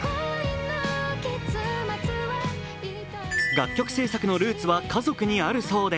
楽曲制作のルーツは家族にあるそうで。